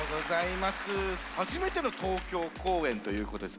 初めての東京公演ということです。